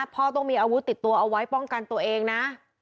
ต้องมีอาวุธติดตัวเอาไว้ป้องกันตัวเองนะ